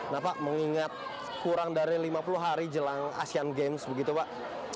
nah pak mengingat kurang dari lima puluh hari jelang asean games begitu pak